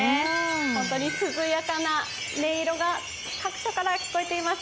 本当に涼やかな音色が各所から聞こえています。